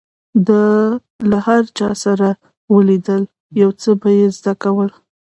ده له هر چا سره چې ولیدل، يو څه به يې زده کول.